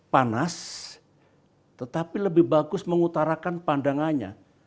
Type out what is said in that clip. panas tetapi lebih bagus mengutarakan pandangannya